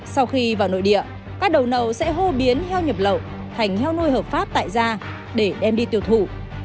sau khi vào nội địa các đầu nậu sẽ hô biến heo nhập lậu thành heo nuôi hợp pháp tại ra để đem đi tiêu thụ